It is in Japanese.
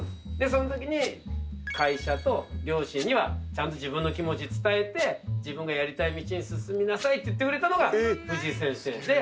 でそんときに会社と両親にはちゃんと自分の気持ち伝えて自分がやりたい道に進みなさいって言ってくれたのが藤井先生。